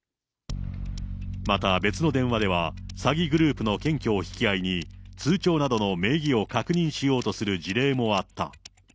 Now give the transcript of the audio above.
また別の電話では、詐欺グループの検挙を引き合いに、通帳などの名義を確認しようとする事例もあった。